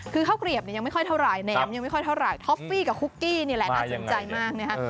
คือข้าวเกลียบเนี่ยยังไม่ค่อยเท่าไหร่แหนมยังไม่ค่อยเท่าไหร่ท็อฟฟี่กับคุกกี้นี่แหละน่าสนใจมากนะฮะ